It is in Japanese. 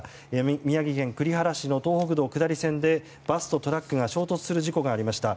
宮城県栗原市の東北道下り線でバスとトラックが衝突する事故がありました。